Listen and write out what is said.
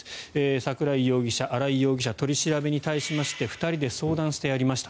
桜井容疑者、新井容疑者取り調べに対しまして２人で相談してやりました。